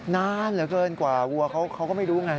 นานเหลือเกินกว่าวัวเขาก็ไม่รู้ไง